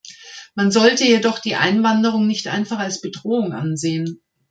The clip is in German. Man sollte jedoch die Einwanderung nicht einfach als Bedrohung ansehen.